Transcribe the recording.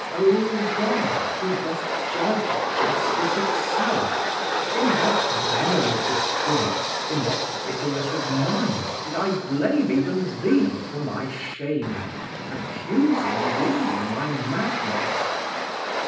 O God, who dost judge justice itself, in what venom of the spirit, in what bitterness of mind, did I blame even Thee for my shame, accusing Thee in my madness!